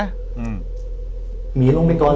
หมีลงไปก่อนเลย